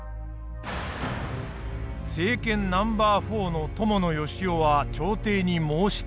政権ナンバー４の伴善男は朝廷に申し立てた。